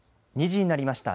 ２時になりました。